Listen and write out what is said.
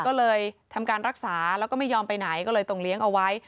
ก็เลยทำการรักษาแล้วก็ไม่ยอมไปไหนก็เลยต้องเลี้ยงเอาไว้